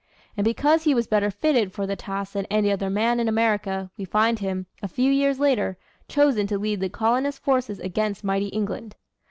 And because he was better fitted for the task than any other man in America, we find him, a few years later, chosen to lead the colonist forces against mighty England.